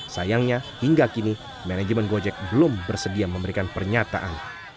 sayangnya hingga kini manajemen gojek belum bersedia memberikan pernyataan